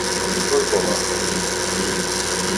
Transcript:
Розбалакалися.